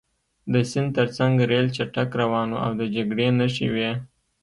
د سیند ترڅنګ ریل چټک روان و او د جګړې نښې وې